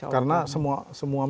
karena semua milenial